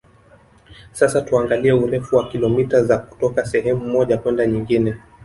Sasa tuangalie urefu wa kilomita za kutoka sehemu moja kwenda nyingine